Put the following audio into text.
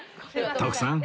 徳さん